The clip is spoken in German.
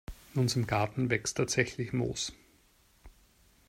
In unserem Garten wächst tatsächlich Moos.